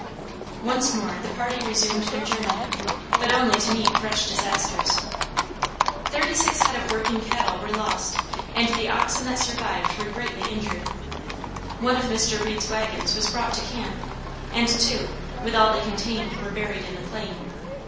Once more the party resumed their journey, but only to meet fresh disasters. "Thirty six head of working cattle were lost, and the oxen that survived were greatly injured. One of Mr. Reed's wagons was brought to camp; and two, with all they contained, were buried in the plain.